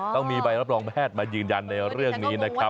ต้องมีใบรับรองแพทย์มายืนยันในเรื่องนี้นะครับ